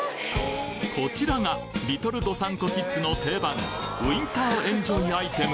こちらがリトル道産子キッズの定番ウィンターエンジョイアイテム